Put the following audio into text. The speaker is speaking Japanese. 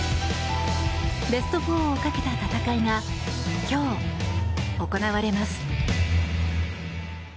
ベスト４をかけた戦いが今日行われます！